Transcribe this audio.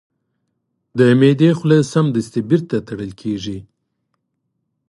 د معدې خوله سمدستي بیرته تړل کېږي.